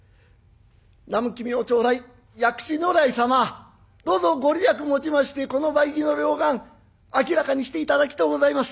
南無帰命頂礼薬師如来様どうぞ御利益もちましてこの梅喜の両眼明らかにして頂きとうございます。